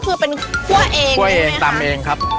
ก็คือเป็นคั่วเองใช่ไหมคะคั่วเองตำเองครับคั่วเองตำเองครับ